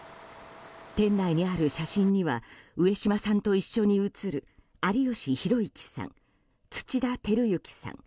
店内にある写真には上島さんと一緒に写る有吉弘行さん、土田晃之さん